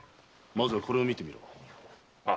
まずはこれを見てみろ。